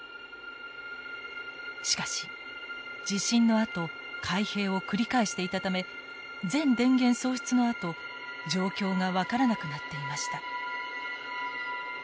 しかし地震のあと開閉を繰り返していたため全電源喪失のあと状況が分からなくなっていました。